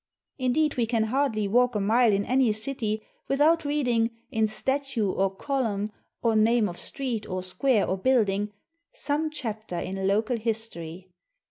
Indeed, we can hardly walk a mile in any city without reading, in statue or column or name of street or square or building, some chapter in local history.